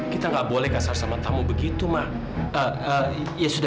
kita tidak boleh kasar sama tamu begitu ma